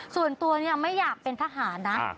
ส่วนตัวไม่อยากเป็นทหารนะ